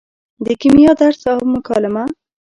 د کیمیا درس او مکالمه